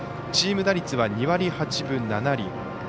チーム打率は２割８分７厘。